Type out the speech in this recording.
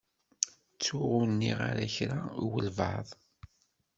Ttuɣ ur nniɣ ara kra i wabɛaḍ.